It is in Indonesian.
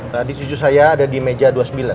tadi cucu saya ada di meja dua puluh sembilan